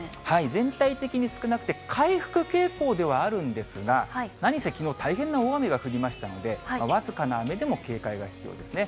全体的に少なくて、回復傾向ではあるんですが、何せきのう、大変な大雨が降りましたので、僅かな雨でも警戒が必要ですね。